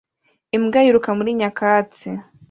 Imbwa yiruka muri nyakatsi